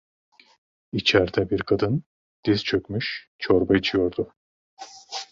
İçeride bir kadın diz çökmüş, çorba içiyordu.